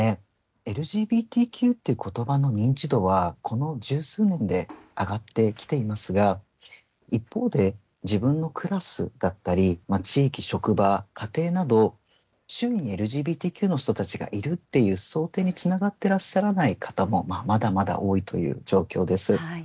ＬＧＢＴＱっていうことばの認知度は、この十数年で上がってきていますが、一方で、自分のクラスだったり、地域、職場、家庭など、周囲にＬＧＢＴＱの人たちがいるっていう想定につながってらっしゃらない方もまだまだ多いという状況です。